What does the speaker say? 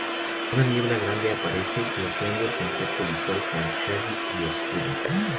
Una niebla grande aparece, bloqueando el contacto visual con Shaggy y Scooby.